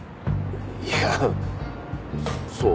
いやあそう？